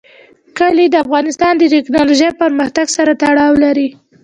کلي د افغانستان د تکنالوژۍ پرمختګ سره تړاو لري.